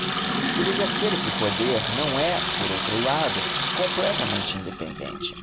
Por exercer esse poder, não é, por outro lado, completamente independente.